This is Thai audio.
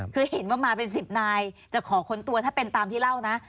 คือเห็นว่ามาเป็น๑๐นายจะขอค้นตัวถ้าเป็นตามที่เล่านะ